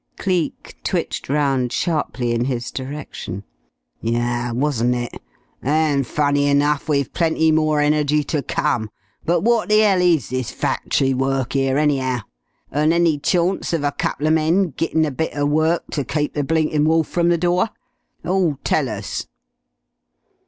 Cleek twitched round sharply in his direction. "Yus wasn't it? An', funny enough, we've plenty more energy ter come!... But what the 'ell is this factory work 'ere, any'ow? An' any chawnce of a couple of men gittin' a bit er work to keep the blinkin' wolf from the door? Who'll tell us?"